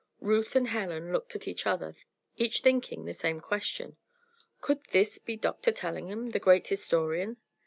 Ruth and Helen looked at each other, each thinking the same question. Could this be Doctor Tellingham, the great historian?